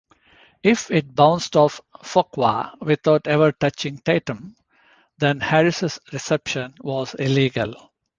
If it bounced off Fuqua without ever touching Tatum, then Harris's reception was illegal.